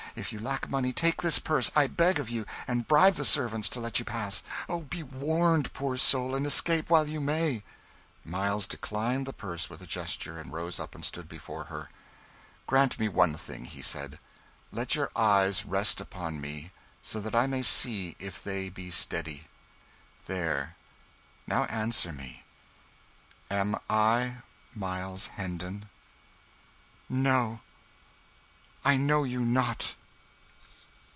If you lack money, take this purse, I beg of you, and bribe the servants to let you pass. Oh, be warned, poor soul, and escape while you may." Miles declined the purse with a gesture, and rose up and stood before her. "Grant me one thing," he said. "Let your eyes rest upon mine, so that I may see if they be steady. There now answer me. Am I Miles Hendon?" "No. I know you not."